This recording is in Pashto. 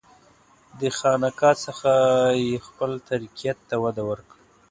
دې خانقاه څخه یې خپل طریقت ته وده ورکړه.